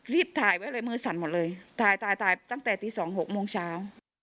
ถ่ายไว้เลยมือสั่นหมดเลยถ่ายถ่ายตั้งแต่ตี๒๖โมงเช้า